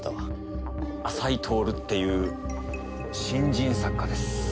浅井徹っていう新人作家です。